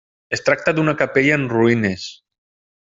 Es tracta d'una capella en ruïnes.